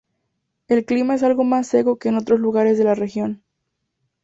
El clima es algo más seco que en otros lugares de la región.